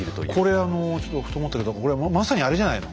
これあのちょっとふと思ったけどこれまさにあれじゃないの？